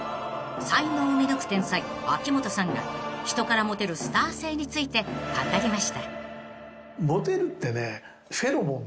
［才能を見抜く天才秋元さんが人からモテるスター性について語りました］